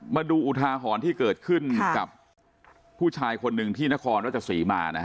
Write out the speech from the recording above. มาดูอุทาหอนที่เกิดขึ้นกับผู้ชายคนหนึ่งที่นครรภาชศรีมา